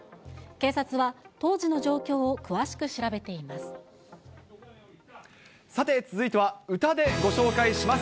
警察は当時の状況を詳しく調べています。